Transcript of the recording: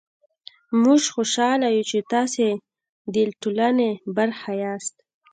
موژ خوشحاله يو چې تاسې ده ټولني برخه ياست